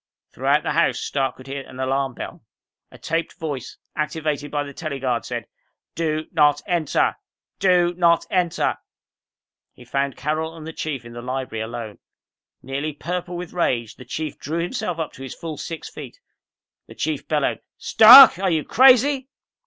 Throughout the house, Stark could hear the alarm bell. A taped voice, activated by the tele guard, said, "Do not enter! Do not enter!" He found Carol and the Chief in the library alone. Nearly purple with rage, the Chief drew himself up to his full six feet. The Chief bellowed, "Stark! Are you crazy?"